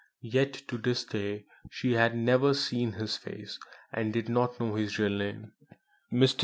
Yet to this day she had never seen his face, and did not know his real name. "Mr.